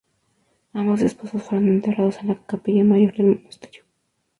Ambos esposos fueron enterrados en la capilla mayor del monasterio.